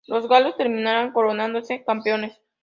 Los galos terminarían coronándose campeones.